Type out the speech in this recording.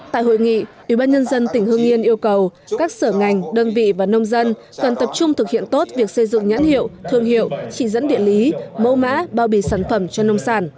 tại hội nghị ủy ban nhân dân tỉnh hương yên yêu cầu các sở ngành đơn vị và nông dân cần tập trung thực hiện tốt việc xây dựng nhãn hiệu thương hiệu chỉ dẫn địa lý mâu mã bao bì sản phẩm cho nông sản